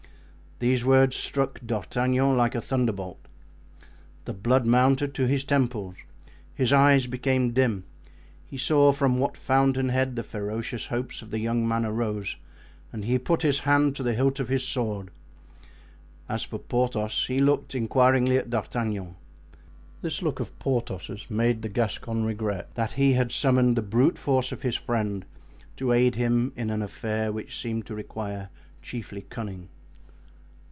These words struck D'Artagnan like a thunderbolt. The blood mounted to his temples, his eyes became dim; he saw from what fountainhead the ferocious hopes of the young man arose, and he put his hand to the hilt of his sword. As for Porthos, he looked inquiringly at D'Artagnan. This look of Porthos's made the Gascon regret that he had summoned the brute force of his friend to aid him in an affair which seemed to require chiefly cunning.